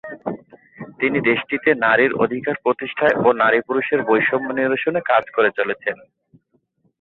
তিনি দেশটিতে নারীর অধিকার প্রতিষ্ঠায় ও নারী পুরুষের বৈষম্য নিরসনে কাজ করে চলেছেন।